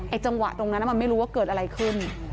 ไอ้จังหวะตรงนั้นถ้ามันไม่รู้ไม่รู้ว่าเกิดอะไรขึ้น